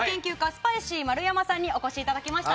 スパイシー丸山さんにお越しいただきました。